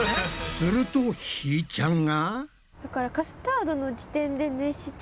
するとひーちゃんが。